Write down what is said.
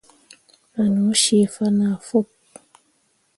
A no cii fana fok.